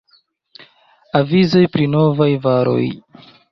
Avizoj pri Novaj Varoj.